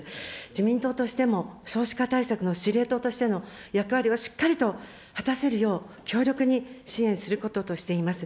自民党としても少子化対策の司令塔としての役割をしっかりと果たせるよう、強力に支援することとしています。